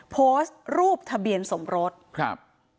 โพสต์รูปทะเบียนสมรสครับ